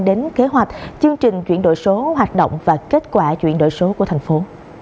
đến kế hoạch chương trình chuyển đổi số hoạt động và kết quả chuyển đổi số của thành phố